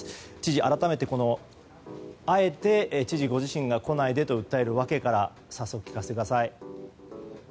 改めて、あえて知事ご自身が来ないでと訴えるわけから早速、聞かせてください。